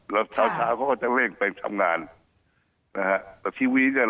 แล้วเช้าเช้าก็จะเร่งไปทำงานนะฮะแต่ทีวีเนี่ย